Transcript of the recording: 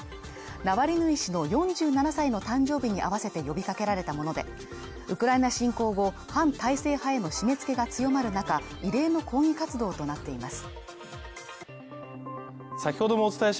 ナワリヌイ氏の４７歳の誕生日に合わせて呼びかけられたもので、ウクライナ侵攻後、反体制派への締め付けが強まる中、異例の抗議活動となっています。